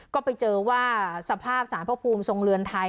ก็ไปเจอว่าสภาพสารพระภูมิทรงเรือนไทย